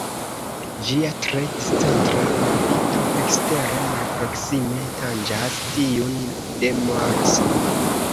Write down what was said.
Ĝia tre discentra orbito ekstere malproksime tanĝas tiun de Marso.